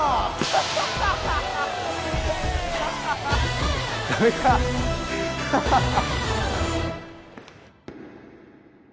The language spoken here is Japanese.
ハハハハハハダメかハハハ